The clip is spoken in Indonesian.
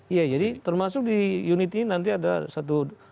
iya jadi termasuk di unity ini nanti ada satu deputi yang di bidang pengkajian